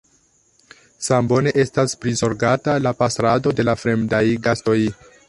Sambone estas prizorgata la pastrado de la fremdaj gastoj.